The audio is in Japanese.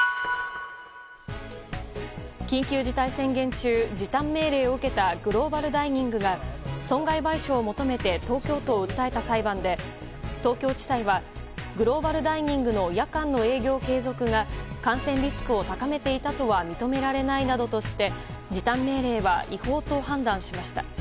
緊急事態宣言中時短命令を受けたグローバルダイニングが損害賠償を求めて東京都を訴えた裁判で東京地裁はグローバルダイニングの夜間の営業継続が感染リスクを高めていたとは認められないなどとして時短命令は違法と判断しました。